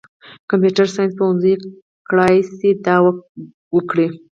کمپیوټر ساینس پوهنځۍ کړای شي دا وکړي.